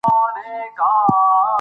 زه په خپل ټولګي کې لومړی نمره سوم.